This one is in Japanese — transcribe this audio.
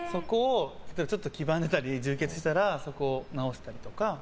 黄ばんでたり充血してたらそこを直したりとか。